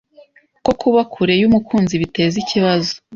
ko kuba kure y’umukunzi biteza ikibazo